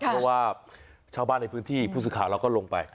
เพราะว่าชาวบ้านในพื้นที่ผู้สื่อข่าวเราก็ลงไป